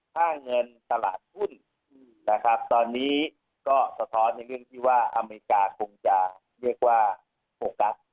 ค่าเงินตลาดหุ้นนะครับตอนนี้ก็สะท้อนในเรื่องที่ว่าอเมริกาคงจะเรียกว่าโฟกัส